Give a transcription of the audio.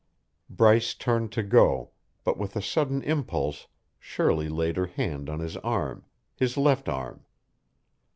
Bryce turned to go, but with a sudden impulse Shirley laid her hand on his arm his left arm.